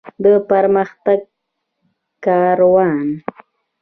د پرمختګ کاروان.